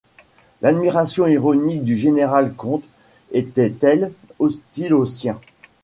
L'admiration ironique du général-comte était-elle hostile aux siens ?